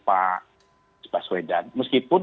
pak baswedan meskipun